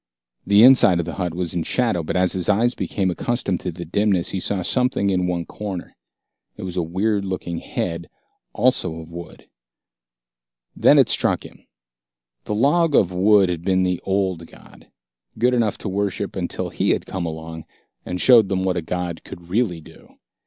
The inside of the hut was in shadow, but as his eyes became accustomed to the dimness, he saw something in one corner. It was a weird looking head, also of wood. It struck him then. The log of wood had been the old god, good enough to worship until he had come along and shown them what a god could really do.